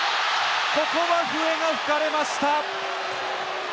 ここは笛が吹かれました。